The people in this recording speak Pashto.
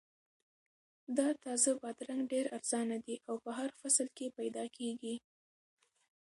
دا تازه بادرنګ ډېر ارزانه دي او په هر فصل کې پیدا کیږي.